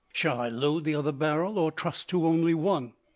"Shall I load the other barrel or trust to only one?"